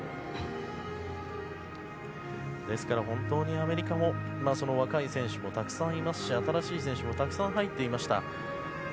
ですから本当にアメリカも若い選手もたくさんいますし、新しい選手もたくさん入っていました。